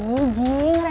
nanti gue hubungin aja